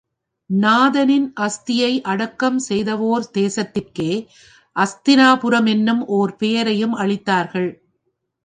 நாதனின் அஸ்தியை அடக்கம் செய்தவோர் தேசத்திற்கே அஸ்திநாதபுரமென்னும் ஓர் பெயரையும் அளித்தார்கள்.